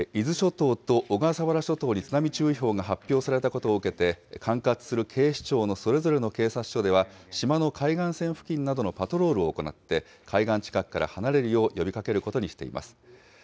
伊豆諸島と小笠原諸島に津波注意報が発表されたことを受けて、管轄する警視庁のそれぞれの警察署では、島の海岸線付近などのパトロールを行って、海岸近くから離れるよう呼びかけることにしています。